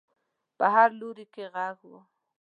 په هر لوري کې غږ و.